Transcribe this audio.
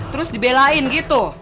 terus dibelain gitu